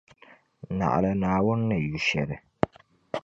Naɣila Naawuni ni yu shɛli.